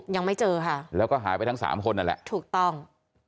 หายไปไหนไม่รู้ยังไม่เจอค่ะแล้วก็หายไปทั้ง๓คนนั่นแหละถูกต้อง